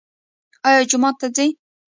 ایا جومات ته ځئ؟